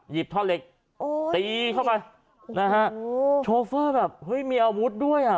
ท่อเหล็กโอ้ตีเข้าไปนะฮะโอ้โชเฟอร์แบบเฮ้ยมีอาวุธด้วยอ่ะ